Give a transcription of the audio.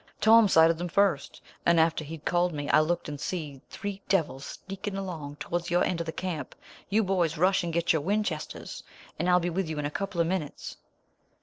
"Tom sighted them first, and after he'd called me I looked and see three devils sneaking along towards your end of the camp. You boys, rush and get your Winchesters, and I'll be with you in a couple of minutes."